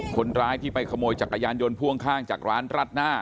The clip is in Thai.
คนร้ายที่ไปขโมยจักรยานยนต์พ่วงข้างจากร้านรัดหน้า